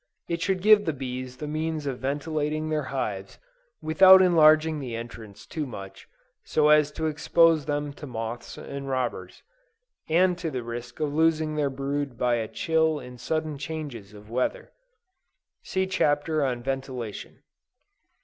It should give the bees the means of ventilating their hives, without enlarging the entrance too much, so as to expose them to moths and robbers, and to the risk of losing their brood by a chill in sudden changes of weather. (See Chapter on Ventilation.)